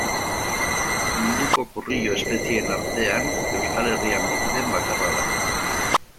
Munduko kurrilo espezieen artean, Euskal Herrian bizi den bakarra da.